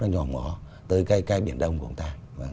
nó nhòm ngó tới cái biển đông của người ta